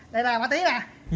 đây là ma túy nè